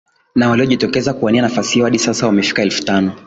na waliojitokeza kuania nafasi hiyo hadi sasa wamefikia elfu tano